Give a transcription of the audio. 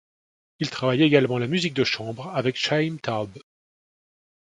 Il travaille également la musique de chambre avec Chaim Taub.